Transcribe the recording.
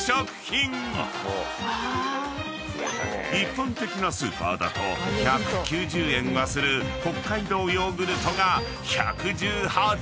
［一般的なスーパーだと１９０円はする北海道ヨーグルトが１１８円］